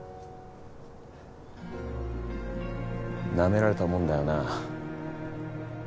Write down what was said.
ナメられたもんだよな。